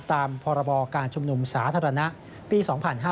ตามพรบการชุมนุมสาธารณะปี๒๕๕๙